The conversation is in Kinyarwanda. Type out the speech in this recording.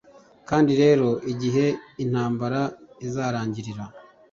kandi rero, igihe intambara izarangirira,